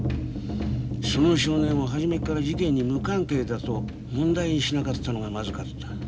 その少年ははじめから事件に無関係だと問題にしなかったのがまずかった。